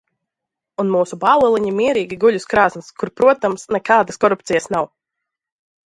Un mūsu bāleliņi mierīgi guļ uz krāsns, kur, protams, nekādas korupcijas nav!